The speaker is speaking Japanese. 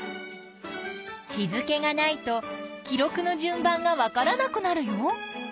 日付がないと記録の順番がわからなくなるよ。